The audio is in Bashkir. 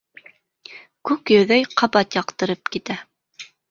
Күк йөҙө ҡабат яҡтырып китә.